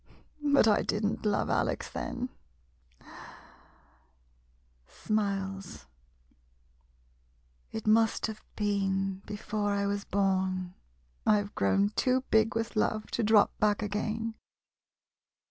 But I did n't love Alex then — [Smiles] — it must have been before I was born ! I 've grown too big with love to drop back again.